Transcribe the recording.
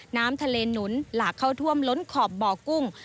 น้ำทะเลหนุนหลากเข้าท่วมล้นขอบบ่อกุ้ง